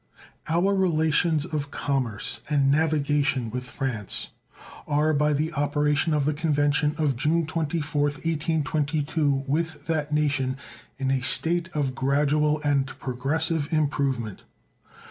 Our relations of commerce and navigation with France are, by the operation of the convention of June 24th, 1822, with that nation, in a state of gradual and progressive improvement.